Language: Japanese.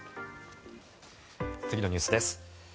次のニュースです。